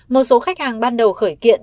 một số khách hàng ban đầu khởi kiện